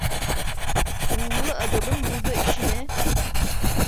Uğurlu adamın burda işine…